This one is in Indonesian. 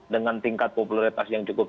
dengan tingkat popularitas yang cukup